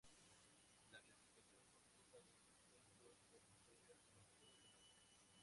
La clasificación computa dos puntos por victoria, uno por empate.